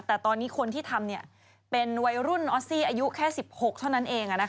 แต่ตอนนี้คนที่ทำเป็นวัยรุ่นออสซี่อายุแค่๑๖เท่านั้นเอง